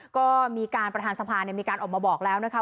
ก็มีการประธานสภามีการออกมาบอกแล้วนะคะ